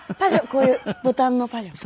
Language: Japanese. こういうボタンのパジャマ？